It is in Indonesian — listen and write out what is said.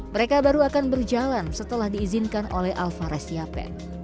mereka baru akan berjalan setelah diizinkan oleh alvarez yapen